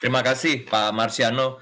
terima kasih pak marsyano